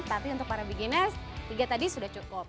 tapi untuk para beginnes tiga tadi sudah cukup